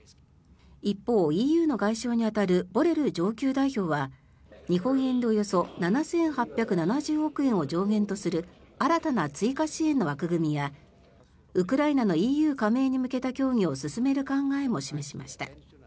一方、ＥＵの外相に当たるボレル上級代表は日本円でおよそ７８７０億円を上限とする新たな追加支援の枠組みやウクライナのＥＵ加盟に向けた協議を進める考えも示しました。